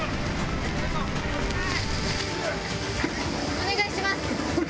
お願いします。